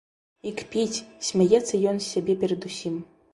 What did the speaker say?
І кпіць, смяецца ён з сябе перадусім.